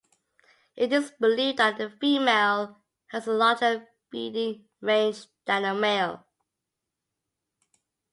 It is believed that the female has a larger feeding range than the male.